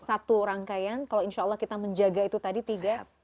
satu rangkaian kalau insya allah kita menjaga itu tadi tiga